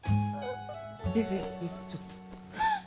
えちょっと。